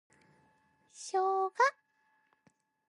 ショウガ